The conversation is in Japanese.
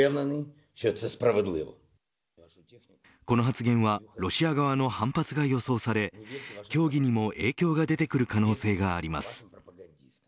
この発言はロシア側の反発が予想され協議にも影響が出てくる可能性があります。